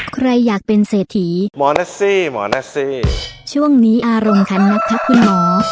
ใครอยากเป็นเศรษฐีหมอนัสซี่หมอนัสซี่ช่วงนี้อารมณ์คันนะคะคุณหมอ